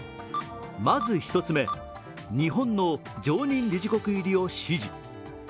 まず１つ目、日本の常任理事国入りを支持。